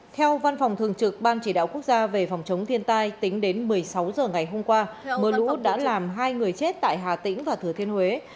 theo văn phòng thường trực ban chỉ đạo quốc gia về phòng chống thiên tai tính đến một mươi sáu h ngày hôm qua mưa lũ đã làm hai người chết tại hà tĩnh và thừa thiên huế